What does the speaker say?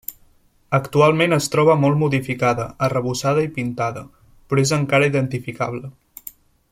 Actualment es troba molt modificada, arrebossada i pintada, però és encara identificable.